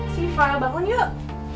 siva bangun yuk